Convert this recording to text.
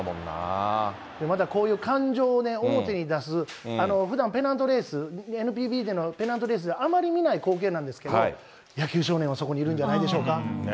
またそういう感情を表に出す、ふだんペナントレース、ＮＰＢでのペナントレースではあまり見ない光景なんですけど、野球少年がそこにいるんじゃないでしょうか。